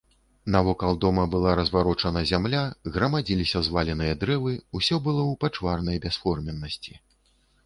Навокал дома была разварочана зямля, грамадзіліся зваленыя дрэвы, усё было ў пачварнай бясформеннасці.